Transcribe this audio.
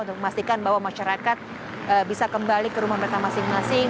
untuk memastikan bahwa masyarakat bisa kembali ke rumah mereka masing masing